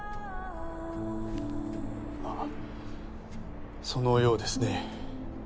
ああそのようですね。